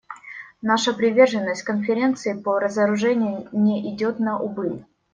Наша приверженность Конференции по разоружению не идет на убыль.